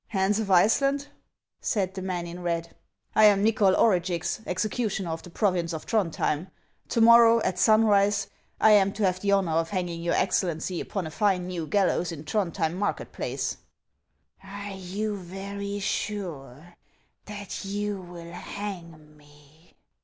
" Hans of Iceland," said the man in red, " I am Xychol Orugix, executioner of the province of Throndhjem ; to morrow, at sunrise, I am to have the honor of hanging your Excellency upon a fine new gallows in Throndhjem market place." " Are you very sure that you will hang me